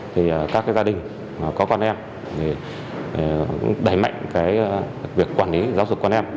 thì các gia đình có con em đẩy mạnh cái việc quản lý giáo dục con em